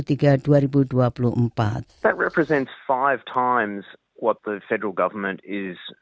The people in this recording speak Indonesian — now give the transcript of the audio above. itu merupakan lima kali apa yang pemerintah federal mencari